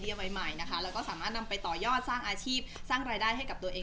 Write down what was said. เรียกว่าเป็นความบันเทิงยามเย็น